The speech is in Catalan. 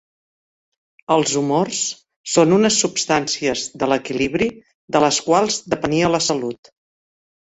Els humors són unes substàncies de l'equilibri de les quals depenia la salut.